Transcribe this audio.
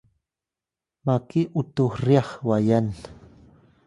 maki utux ryax wayan